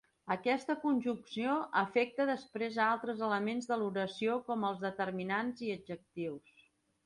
Aquesta conjugació afecta després a altres elements de l'oració com els determinants i adjectius.